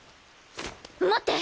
待って！！